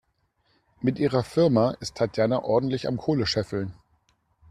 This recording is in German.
Mit ihrer Firma ist Tatjana ordentlich am Kohle scheffeln.